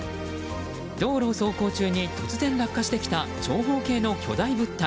道路を走行中に突然落下してきた長方形の巨大物体。